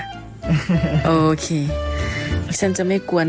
อยู่นี่หุ่นใดมาเพียบเลย